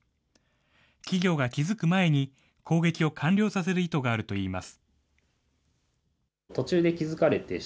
企業が気付く前に攻撃を完了させる意図があるといいます。